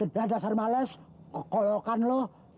dasar males kekolokan lo